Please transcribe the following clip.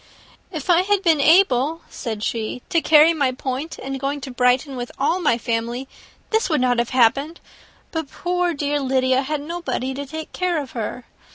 "If I had been able," said she, "to carry my point in going to Brighton with all my family, this would not have happened: but poor dear Lydia had nobody to take care of her.